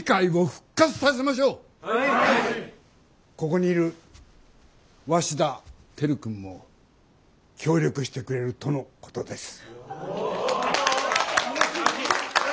ここにいる鷲田照君も協力してくれるとのことです。